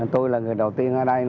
tôi là người đầu tiên ở đây